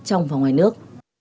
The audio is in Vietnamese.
trong và ngoài nước